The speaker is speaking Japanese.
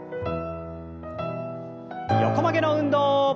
横曲げの運動。